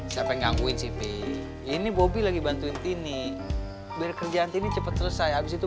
sampai ngangguin siti ini bobby lagi bantuin ini berkerjaan ini cepet selesai habis itu